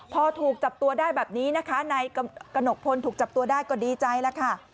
พอถูกจับตัวได้แบบนี้นะคะนายกระหนกพลถูกจับตัวได้ก็ดีใจแล้วค่ะ